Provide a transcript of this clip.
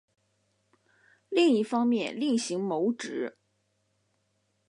另一方面另行谋职